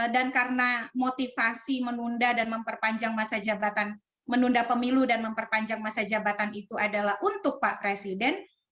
dan karena motivasi menunda dan memperpanjang masa jabatan menunda pemilu dan memperpanjang masa jabatan itu adalah untuk pak presiden